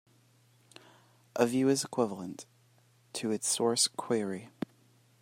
A view is equivalent to its source query.